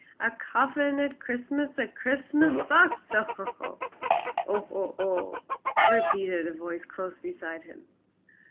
"A coffin at Christmas! A Christmas box. Ho! ho! ho!" "Ho! ho! ho!" repeated a voice close beside him.